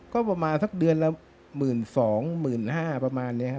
ก็ประมาณสักเดือนละ๑๒๐๐๕๐๐ประมาณนี้ครับ